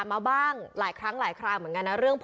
วิทยาลัยศาสตร์อัศวินตรี